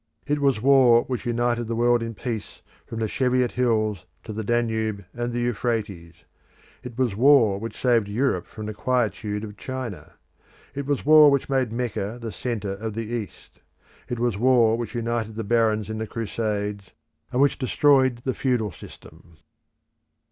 It was war which united the world in peace from the Cheviot Hills to the Danube and the Euphrates. It was war which saved Europe from the quietude of China. It was war which made Mecca the centre of the East. It was war which united the barons in the Crusades, and which destroyed the feudal system.